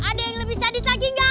ada yang lebih sadis lagi nggak